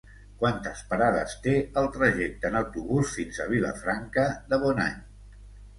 Quantes parades té el trajecte en autobús fins a Vilafranca de Bonany?